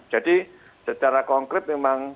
jadi secara konkret memang